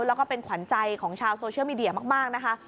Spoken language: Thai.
แล้วก็เป็นขวัญใจของชาวโซเชียลมีเดียมากนะคะ